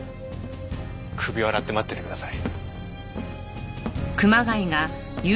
首を洗って待っててください。